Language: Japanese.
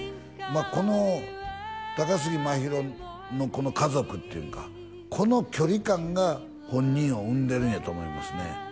この高杉真宙のこの家族っていうんかこの距離感が本人を生んでるんやと思いますね